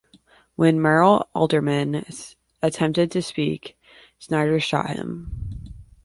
When Myrl Alderman attempted to speak, Snyder shot him.